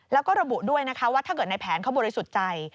แล้วก็ระบุด้วยนะคะว่าถ้าเกิดในแผนเขาบริสุทธิ์ใจ